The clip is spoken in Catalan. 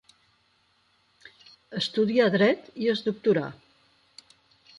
Estudià dret i es doctorà.